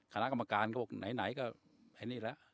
คณะกรรมการก็บอกไหนก็ไหนนี่แหละ